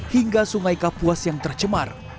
hingga sungai kapuas yang tercemar